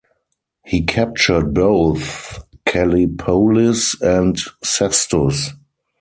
He captured both Callipolis and Sestus.